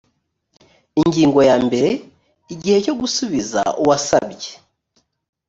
ingingo ya mbere igihe cyo gusubiza uwasabye